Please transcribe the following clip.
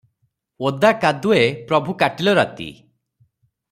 ଓଦା କାଦୁଏ ପ୍ରଭୁ କାଟିଲ ରାତି